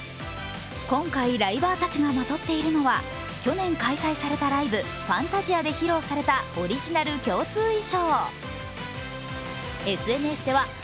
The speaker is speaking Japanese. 今回ライバーたちがまとっているのは、去年開催されたライブ、「ＦＡＮＴＡＳＩＡ」で披露されたオリジナル共通衣装。